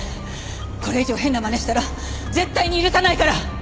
これ以上変なまねしたら絶対に許さないから！